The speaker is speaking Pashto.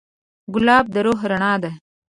ګلاب د روح رڼا ده.